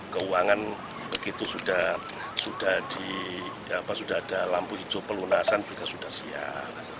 keuangan begitu sudah ada lampu hijau pelunasan juga sudah siap